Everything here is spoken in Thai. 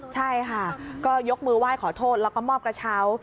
ใช่ค่ะก็ยกมือไหว้ขอโทษแล้วก็มอบกระเช้า